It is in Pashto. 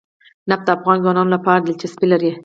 نفت د افغان ځوانانو لپاره دلچسپي لري.